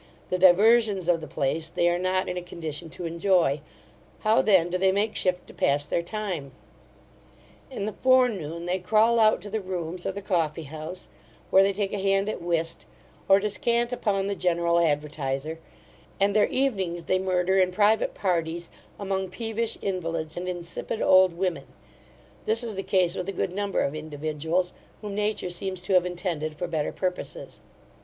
The diversions of the place they are not in a condition to enjoy. How then do they make shift to pass their time? In the forenoon they crawl out to the Rooms or the coffeehouse, where they take a hand at whist, or descant upon the General Advertiser; and their evenings they murder in private parties, among peevish invalids, and insipid old women This is the case with a good number of individuals, whom nature seems to have intended for better purposes.